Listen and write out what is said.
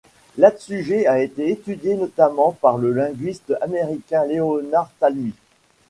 L'atsugé a été étudié notamment par le linguiste américain Leonard Talmy.